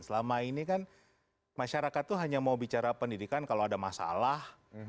selama ini kan masyarakat itu hanya mau bicara pendidikan kalau ada masalah